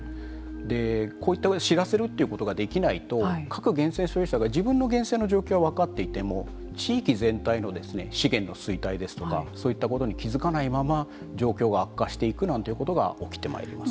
でこういった知らせるということができないと各源泉所有者が自分の源泉の状況は分かっていても地域全体の資源の衰退ですとかそういったことに気付かないまま状況が悪化していくなんていうことが起きてまいります。